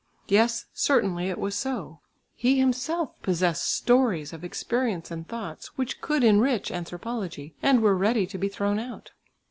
Yes, certainly it was so. He himself possessed stories of experience and thoughts, which could enrich anthropology, and were ready to be throw out.